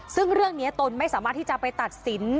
ซึ่งเรื่องนี้ตนไม่สามารถที่จะไปตัดสิน